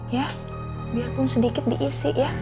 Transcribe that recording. ya biarpun sedikit diisi ya